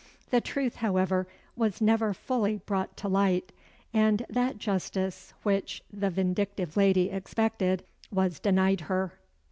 The truth, however, was never fully brought to light; and that justice which the vindictive lady expected was denied her.